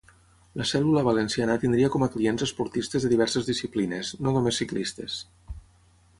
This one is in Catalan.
La cèl·lula valenciana tindria com a clients esportistes de diverses disciplines, no només ciclistes.